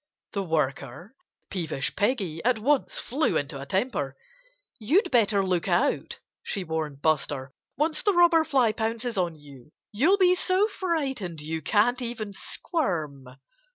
The worker, Peevish Peggy, at once flew into a temper. "You'd better look out!" she warned Buster. "Once the Robber Fly pounces on you you'll be so frightened you can't even squirm."